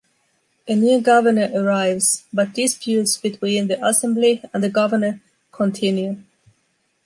A new governor arrives, but disputes between the assembly and the governor continue.